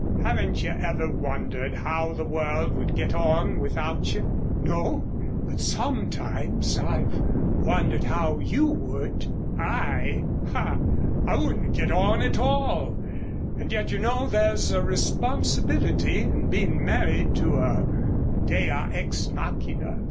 "Haven't you ever wondered how the world would get on without you?" "No, but sometimes I've wondered how you would." "I? Ah! I wouldn't get on at all. And yet you know there's a responsibility in being married to a Dea ex Machina."